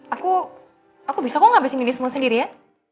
aku aku bisa kok ngabisin diri semua sendiri ya